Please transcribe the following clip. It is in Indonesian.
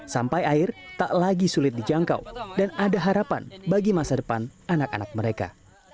sampai air tak lagi sulit dijangkau dan ada harapan bagi masa depan anak anak mereka